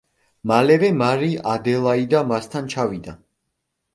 მალევე მარი ადელაიდა მასთან ჩავიდა.